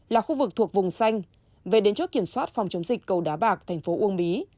là khu vực thuộc vùng xanh về đến chốt kiểm soát phòng chống dịch cầu đá bạc thành phố uông bí